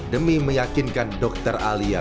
demi meyakinkan dr alia